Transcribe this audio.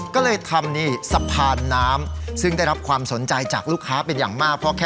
ก็เลยทำนี่สะพานน้ำซึ่งได้รับความสนใจจากลูกค้าเป็นอย่างมาก